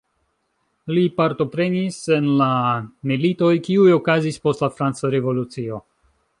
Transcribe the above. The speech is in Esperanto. Li partoprenis en la militoj kiuj okazis post la Franca Revolucio.